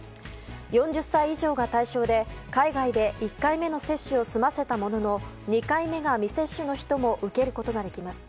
４０歳以上が対象で海外で１回目の接種を済ませたものの２回目が未接種の人も受ける人ができます。